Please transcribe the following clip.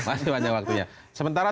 masih panjang waktunya sementara